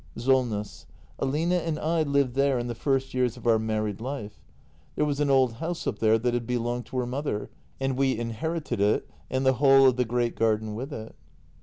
Solness. Aline and I lived there in the first years of our married life. There was an old house up there that had belonged to her mother; and we inherited it, and the whole of the great garden with it.